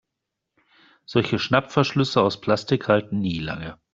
Solche Schnappverschlüsse aus Plastik halten nie lange.